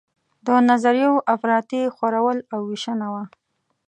د نظریو افراطي خورول او ویشنه وه.